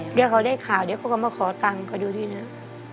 เดี๋ยวเขาได้ข่าวเดี๋ยวเขาก็มาขอตังค์เขาดูที่นั้น